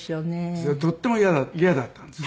それがとっても嫌だったんです。